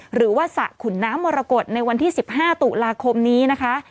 หรือว่าสระขุนน้ำมรกฏในวันที่๑๕ตุลาคมนี้นะคะ